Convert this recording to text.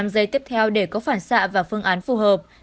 năm giây tiếp theo để có phản xạ và phương án phù hợp